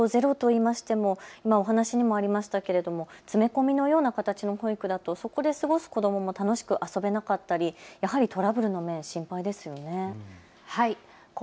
いくら待機児童ゼロと言いましても今お話にもありましたけれども詰め込みのような形の保育だとそこで過ごす子どもも楽しく遊べなかったりやはりトラブルの面、心配ですよね。